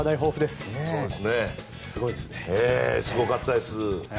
すごかったです。